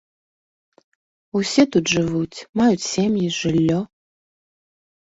Усе тут жывуць, маюць сем'і, жыллё.